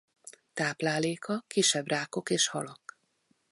Tápláléka kisebb rákok és halak.